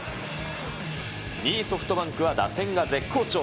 ２位ソフトバンクは打線が絶好調。